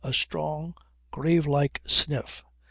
A strong grave like sniff.